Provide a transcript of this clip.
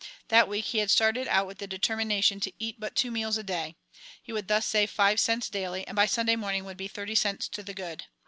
That week he had started out with the determination to eat but two meals a day. He would thus save five cents daily and by Sunday morning would be thirty cents to the good.